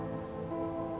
bukan karena saya menyesalinya